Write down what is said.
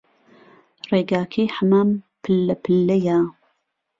ڕێگاکەی حەمام پللە پللەیە